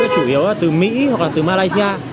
chủ yếu là từ mỹ hoặc là từ malaysia